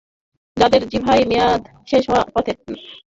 যাঁদের ভিসার মেয়াদ শেষ হওয়ার পথে, তাঁরা নানা চিন্তার মধ্যে দিন কাটাচ্ছেন।